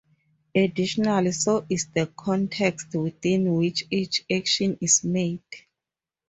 Additionally, so is the context within which each action is made.